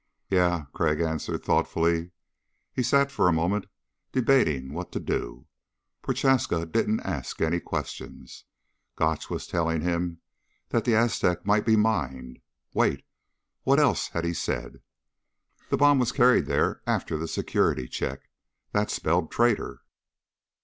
"Yeah," Crag answered thoughtfully. He sat for a moment, debating what to do. Prochaska didn't ask any questions. Gotch was telling him that the Aztec might be mined. Wait, what else had he said? The bomb was carried there after the security check. That spelled traitor.